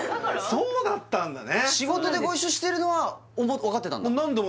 そうだったんだね